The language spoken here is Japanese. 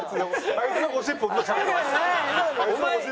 あいつがゴシップを起こして。